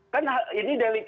kan ini delik